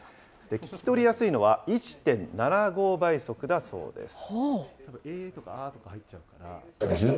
聞き取りやすいのは１．７５倍速だそうです。